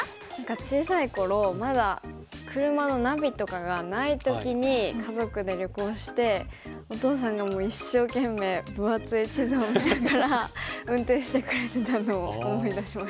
小さい頃まだ車のナビとかがない時に家族で旅行してお父さんが一生懸命分厚い地図を見ながら運転してくれてたのを思い出します。